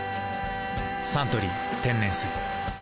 「サントリー天然水」